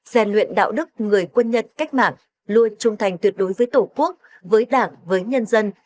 xe luyện đạo đức người quân nhân cách mạng luôn trung thành tuyệt đối với tổ quốc với đảng với nhân dân